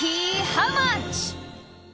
ハウマッチ。